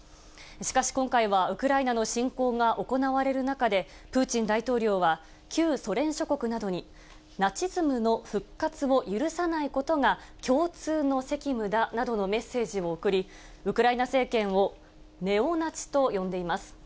しかし、今回はウクライナの侵攻が行われる中で、プーチン大統領は旧ソ連諸国などに、ナチズムの復活を許さないことが、共通の責務だなどのメッセージを送り、ウクライナ政権をネオナチと呼んでいます。